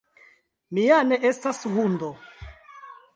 Mi ja ne estas hundo!